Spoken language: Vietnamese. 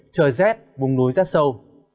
trời rét bùng núi rét sâu